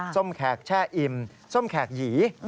ส้มแขกแช่อิ่มส้มแขกหยี